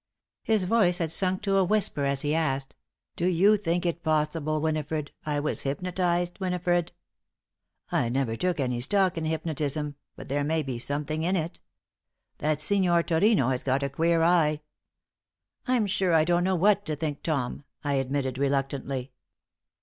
His voice had sunk to a whisper as he asked: "Do you think it possible, Winifred, I was hypnotized, Winifred? I never took any stock in hypnotism, but there may be something in it. That Signor Turino has got a queer eye." "I'm sure I don't know what to think, Tom," I admitted, reluctantly.